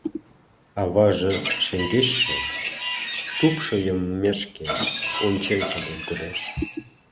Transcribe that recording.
Аваже шеҥгечше тупшо йоммешке ончен шоген кодеш.